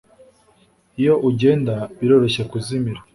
Iyo ugenda, biroroshye kuzimira